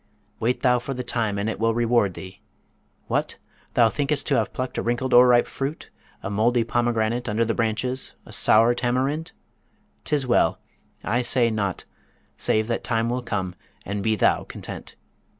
Wait thou for the time and it will reward thee. What! thou think'st to have plucked a wrinkled o'erripe fruit, a mouldy pomegranate under the branches, a sour tamarind? 'Tis well! I say nought, save that time will come, and be thou content.